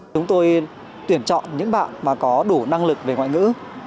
chúng tôi tuyển chọn những bạn mà có đủ năng lực về ngoại ngữ